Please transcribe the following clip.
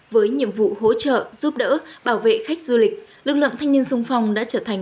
với nhiệm vụ hỗ trợ giúp đỡ bảo vệ khách du lịch lực lượng thanh niên sung phong đã trở thành